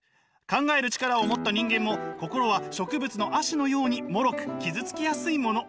考える力を持った人間も心は植物の葦のようにもろく傷つきやすいもの。